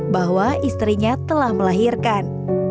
bahwa istrinya telah melahirkan